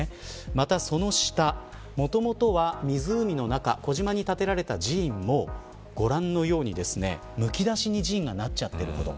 また、その下もともとは湖の中、小島に建てられた寺院もご覧のように、むき出しに寺院がなっちゃっているという。